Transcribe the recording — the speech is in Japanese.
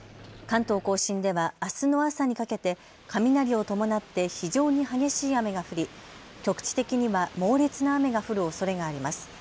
関東甲信ではあすの朝にかけて雷を伴って非常に激しい雨が降り局地的には猛烈な雨が降るおそれがあります。